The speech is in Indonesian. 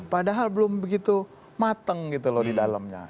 padahal belum begitu mateng gitu loh di dalamnya